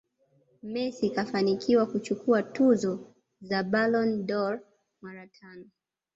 Messi kafanikiwa kuchukua tuzo za Ballon dâOr mara tano